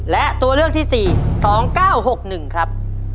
และตัวเลือกที่๔๒๙๖๑ครับ